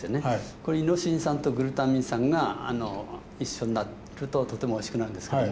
これイノシン酸とグルタミン酸が一緒になるととてもおいしくなるんですけども。